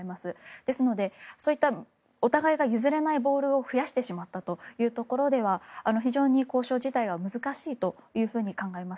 ですので、そういったお互いが譲れないボールを増やしてしまったというところでは非常に交渉自体は難しいと考えます。